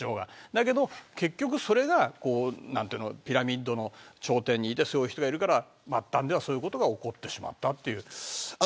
でも、結局ピラミッドの頂点にそういう人がいるから末端ではそういうことが起こってしまったという。